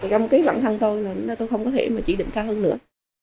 trong cái bản thân tôi là tôi không có thể chỉ định cao hơn nữa